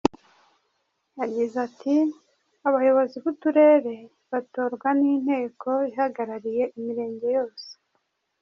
Yagize ati “Abayobozi b’uturere batorwa n’inteko ihagarariye imirenge yose.